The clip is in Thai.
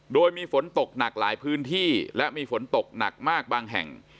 โดยมีฝนตกหนักหลายพื้นที่และมีฝนตกหนักมากบางแห่ง